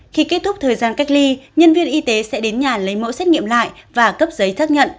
khi kết thúc thời gian cách ly nhân viên y tế sẽ đến nhà lấy mẫu xét nghiệm lại và cấp giấy xác nhận